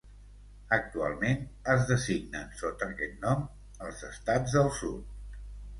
Actualment, es designen sota aquest nom els Estats del Sud.